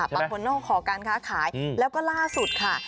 บางคนต้องขอการค้าขายแล้วก็ล่าสุดค่ะ